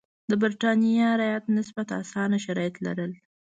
د برېټانیا رعیت نسبتا اسانه شرایط لرل.